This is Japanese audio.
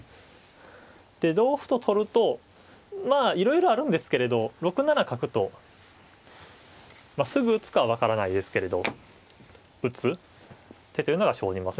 で同歩と取るとまあいろいろあるんですけれど６七角とすぐ打つかは分からないですけれど打つ手というのが生じますね。